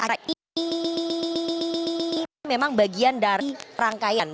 akhir ini memang bagian dari rangkaian ini